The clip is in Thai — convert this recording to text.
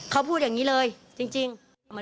เขาพูดอย่างนี้เลยจริง